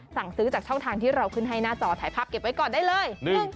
สั่งซื้อจากช่องทางที่เราขึ้นให้หน้าจอถ่ายภาพเก็บไว้ก่อนได้เลย